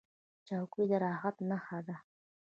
چوکۍ د راحت نښه ده.